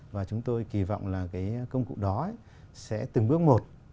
và chúng tôi kỳ vọng là cái công cụ đó sẽ từng bước một